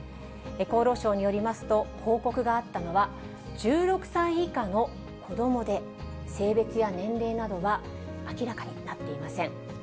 厚労省によりますと、報告があったのは、１６歳以下の子どもで、性別や年齢などは明らかになっていません。